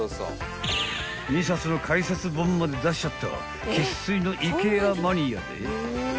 ［２冊の解説本まで出しちゃった生粋のＩＫＥＡマニアで］